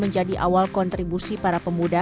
menjadi awal kontribusi para pemuda